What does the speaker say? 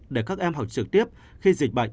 để các em học trực tiếp khi dịch bệnh